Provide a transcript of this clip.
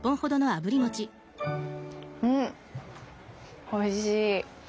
うんおいしい。